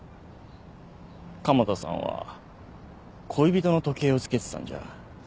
加茂田さんは恋人の時計を着けてたんじゃ？